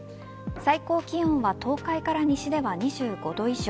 最高気温は東海から西では２５度以上